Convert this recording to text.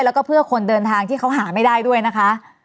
แล้วก็เพื่อคนเดินทางที่เขาหาไม่ได้ด้วยนะคะ